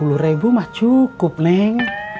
uh lima puluh ribu mah cukup neng